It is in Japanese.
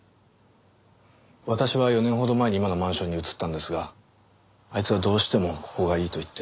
私は４年ほど前に今のマンションに移ったんですがあいつはどうしてもここがいいと言って。